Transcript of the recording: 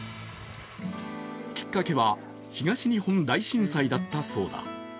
きっかけは東日本大震災だったそうだ。